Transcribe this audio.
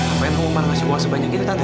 apaan tuh umar kasih uang sebanyak itu tante